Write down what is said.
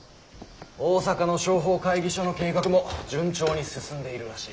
大阪の商法会議所の計画も順調に進んでいるらしい。